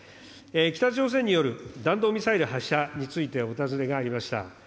北朝鮮による弾道ミサイル発射についてお尋ねがありました。